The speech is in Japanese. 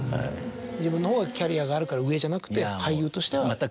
自分のほうがキャリアがあるから上じゃなくて俳優としては。